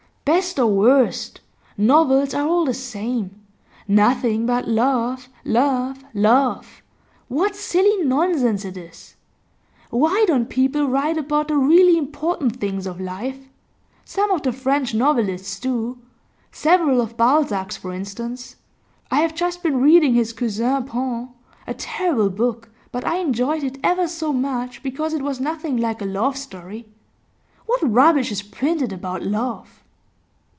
'Best or worst, novels are all the same. Nothing but love, love, love; what silly nonsense it is! Why don't people write about the really important things of life? Some of the French novelists do; several of Balzac's, for instance. I have just been reading his "Cousin Pons," a terrible book, but I enjoyed it ever so much because it was nothing like a love story. What rubbish is printed about love!